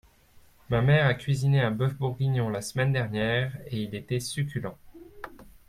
Ma mère a cuisiné un boeuf bourguignon la semaine dernière et il était succulent.